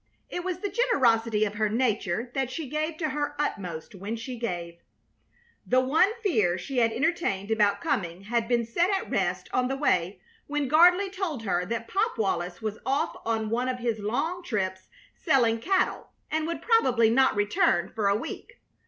It was the generosity of her nature that she gave to her utmost when she gave. The one fear she had entertained about coming had been set at rest on the way when Gardley told her that Pop Wallis was off on one of his long trips, selling cattle, and would probably not return for a week.